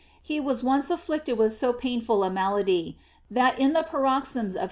He was once afflicted with so painful a malady, that in the paroxysms of his * Job.